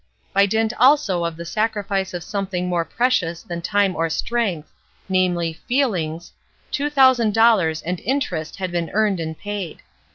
by dint, also, of the sacri fice of something more precious than time or strength; namely, feelings, two thousand dollars and interest had been earned and paid.